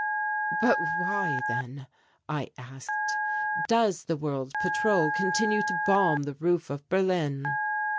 "But why, then," I asked, "does the World Patrol continue to bomb the roof of Berlin?"